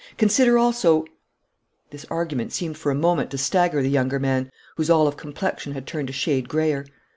Consider also ' This argument seemed for a moment to stagger the younger man, whose olive complexion had turned a shade greyer.